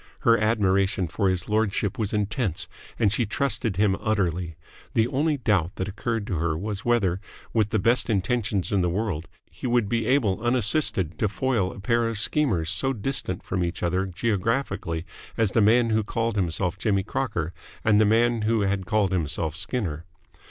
Her admiration for his lordship was intense, and she trusted him utterly. The only doubt that occurred to her was whether, with the best intentions in the world, he would be able unassisted to foil a pair of schemers so distant from each other geographically as the man who called himself Jimmy Crocker and the man who had called himself Skinner.